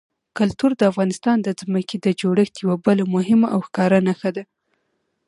کلتور د افغانستان د ځمکې د جوړښت یوه بله مهمه او ښکاره نښه ده.